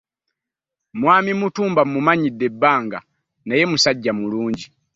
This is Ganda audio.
Mwami Mutumba mmumanyidde ebbanga naye musajja mulungi.